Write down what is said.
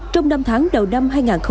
trong năm tháng đầu năm hai nghìn hai mươi